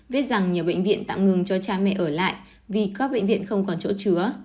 viết rằng nhiều bệnh viện tạm ngừng cho cha mẹ ở lại vì các bệnh viện không còn chỗ chứa